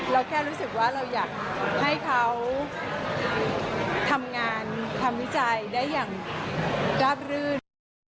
แค่รู้สึกว่าเราอยากให้เขาทำงานทำวิจัยได้อย่างราบรื่น